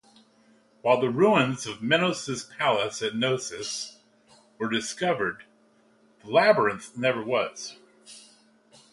While the ruins of Minos' palace at Knossos were discovered, the labyrinth never was.